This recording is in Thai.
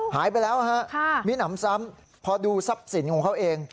หายไปแล้วฮะมีหนำซ้ำพอดูทรัพย์สินของเขาเอง